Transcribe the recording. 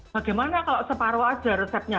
bagaimana kalau separoh saja resepnya